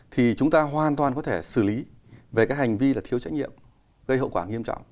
thì chúng ta hoàn toàn có thể xử lý về cái hành vi là thiếu trách nhiệm gây hậu quả nghiêm trọng